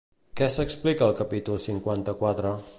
Què s'explica al capítol cinquanta-quatre?